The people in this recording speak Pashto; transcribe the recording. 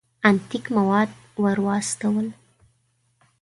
انتیک مواد ور واستول.